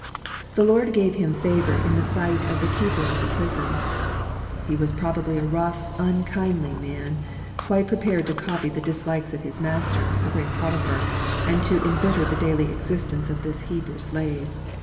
" The Lord gave him favour in the sight of the keeper of the prison." He was probably a rough, unkindly man, quite prepared to copy the dislikes of his master, the great Potiphar, and to embitter the daily existence of this Hebrew slave.